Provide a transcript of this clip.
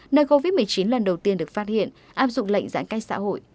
nơi covid một mươi chín lần đầu tiên được phát hiện áp dụng lệnh giãn cách xã hội